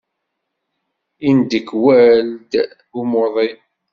Yendekwal-d umuḍin.